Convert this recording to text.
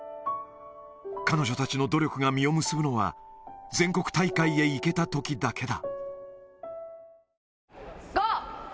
彼女たちの努力が実を結ぶのは、全国大会へ行けたときだけだ。